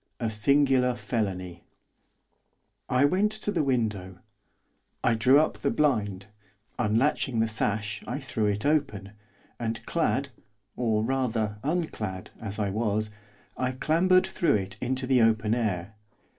A SINGULAR FELONY I went to the window; I drew up the blind, unlatching the sash, I threw it open; and clad, or, rather, unclad as I was, I clambered through it into the open air.